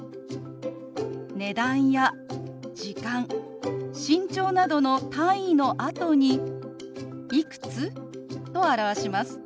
値段や時間身長などの単位のあとに「いくつ？」と表します。